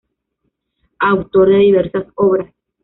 Autor de diversas obras.